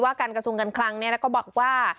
การกระทรวงการคลังก็บอกว่า